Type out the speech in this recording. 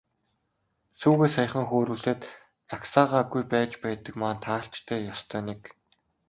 Сүүгээ саяхан хөөрүүлээд загсаагаагүй байж байдаг маань таарч дээ, ёстой нэг.